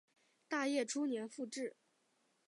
大业初年复置。